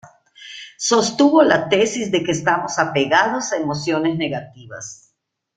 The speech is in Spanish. Sostuvo la tesis de que estamos apegados a emociones negativas.